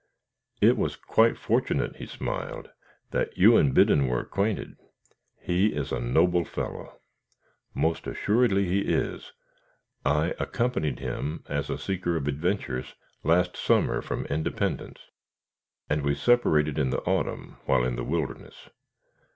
"It was quite fortunate," he smiled, "that you and Biddon were acquainted. He is a noble fellow." "Most assuredly he is. I accompanied him, as a seeker of adventures, last summer from Independence, and we separated in the autumn, while in the wilderness.